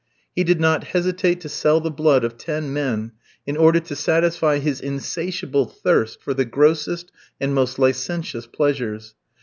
He did not hesitate to sell the blood of ten men in order to satisfy his insatiable thirst for the grossest and most licentious pleasures.